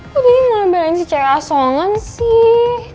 kok deddy mau ngebelin si cewek asongan sih